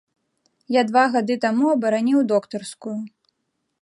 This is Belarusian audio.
Я два гады таму абараніў доктарскую.